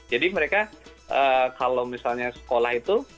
jadi mereka kalau misalnya sekolah itu